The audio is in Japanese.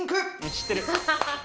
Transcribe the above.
知ってる。